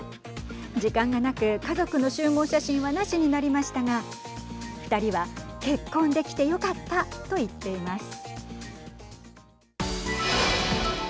時間がなく家族の集合写真はなしになりましたが２人は結婚できてよかったと言っています。